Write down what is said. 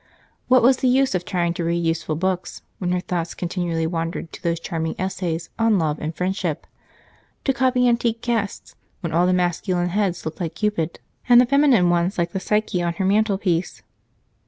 What was the use of trying to read useful books when her thoughts continually wandered to those charming essays on "Love" and "Friendship"? To copy antique casts, when all the masculine heads looked like Cupid and the feminine ones like the Psyche on her mantelpiece?